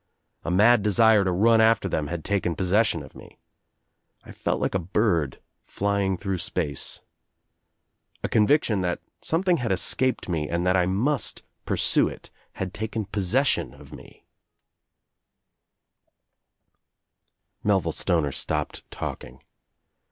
A mad desire to run after them had taken pos t session of me. I felt like a bird flying through space. I A conviction that something had escaped me and that\ I must pursue it had taken possession of me." Melville Stoner stopped talking.